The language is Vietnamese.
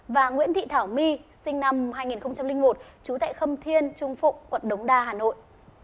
và nguyễn thị thảo my sinh năm hai nghìn một trú tại khâm thiên trung phụng quận đống đa hà nội